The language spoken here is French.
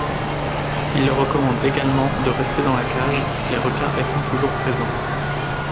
Il leur recommande également de rester dans la cage, les requins étant toujours présents.